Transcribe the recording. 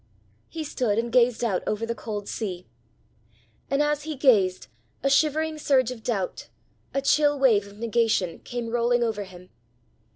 He stood and gazed out over the cold sea. And as he gazed, a shivering surge of doubt, a chill wave of negation, came rolling over him.